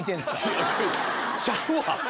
ちゃうわ。